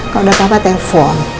kalau udah apa apa telpon